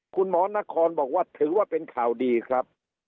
คุณหมอนครบอกว่าถือว่าเป็นข่าวดีครับ